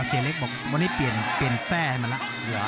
เสียเล็กบอกวันนี้เปลี่ยนแทร่ให้มาแล้ว